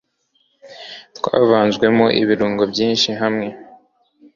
twavanzwemo ibirungo byinshi hamwe